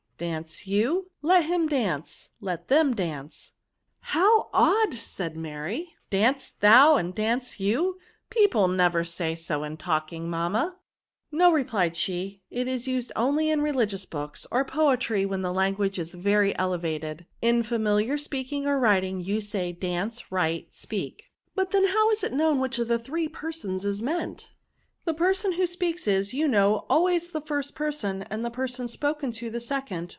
Dance you. Let him dance. Let them dance." " How odd !" said Mary, " dance thou ! and dance ycu ! People never say so in talk ing, mamma?" " No," replied she. *' It is used only in religious books, or poetry when the VBiifis. SS7 language is very elevated. In familiar speaking or writings you say^ da/nee^ write, 9peahr But then how is it known which of the three persons is meant ?"*' The person who speaks is, you know, always the first person, and the person spoken to the second.